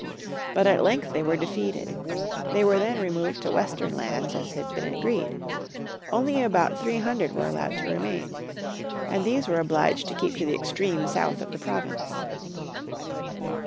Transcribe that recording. But at length they were defeated. They were then removed to western lands as had been agreed; only about three hundred were allowed to remain, and these were obliged to keep to the extreme south of the province.